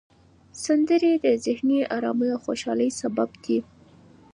سندرې د ذهني آرامۍ او خوشحالۍ سبب دي.